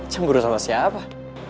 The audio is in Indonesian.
cemburu sama siapa